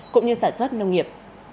cũng như sản xuất nông nghiệp